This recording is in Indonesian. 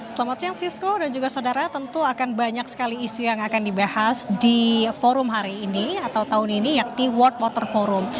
selamat siang sisco dan juga saudara tentu akan banyak sekali isu yang akan dibahas di forum hari ini atau tahun ini yakni world water forum